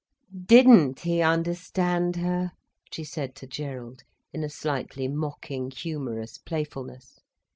"Didn't he understand her!" she said to Gerald, in a slightly mocking, humorous playfulness.